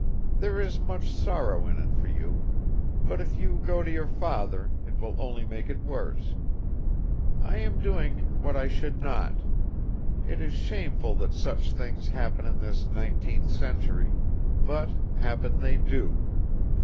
There is much sorrow in it for you; but if you go to your father it will only make it worse. I am doing what I should not. It is shameful that such things happen in this nineteenth century, but happen they do.